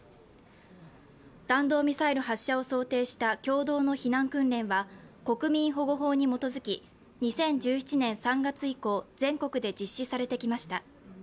弾道ミサイル発射を想定した共同の避難訓練は国民保護法に基づき２０１７年３月以降全国で実施されてきました。